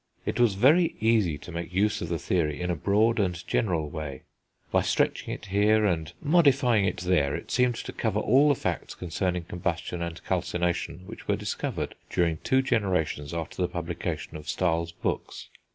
It was very easy to make use of the theory in a broad and general way; by stretching it here, and modifying it there, it seemed to cover all the facts concerning combustion and calcination which were discovered during two generations after the publication of Stahl's books.